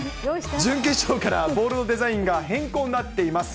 準決勝からボールのデザインが変更になっています。